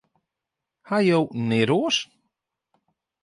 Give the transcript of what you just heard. Ha jo neat oars?